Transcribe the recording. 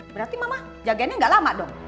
berarti mama jaganya gak lama dong